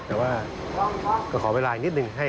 แต่ว่าก็ขอเวลาอีกนิดนึง